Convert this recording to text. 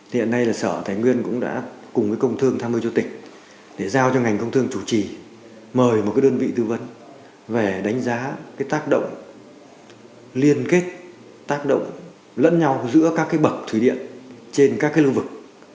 hiện nay là sở thái nguyên cũng đã cùng với công thương tham mưu chủ tịch để giao cho ngành công thương chủ trì mời một cái đơn vị tư vấn về đánh giá cái tác động liên kết tác động lẫn nhau giữa các cái bậc thủy điện trên các cái lưu vực